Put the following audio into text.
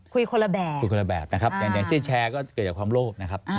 คุยคนละแบบคุยคนละแบบนะครับอย่างชื่อแชร์ก็เกิดจากความโลภนะครับ